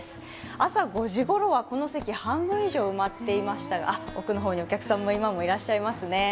朝５時ごろは、この席半分以上埋まっていましたが奥の方にお客さん、今もいらっしゃいますね。